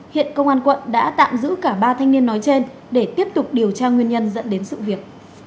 hiện công an quận đã tạm giữ cả ba thanh niên nói trên để tiếp tục điều tra nguyên nhân dẫn đến sự việc